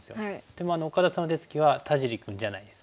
でも岡田さんの手つきは田尻君じゃないんです。